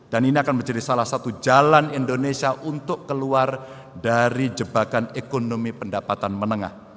dan ini akan menjadi salah satu jalan indonesia untuk keluar dari jebakan ekonomi pendapatan menengah